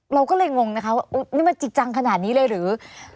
เราก็เลยงงนะคะว่านี่มันจริงจังขนาดนี้เลยหรือ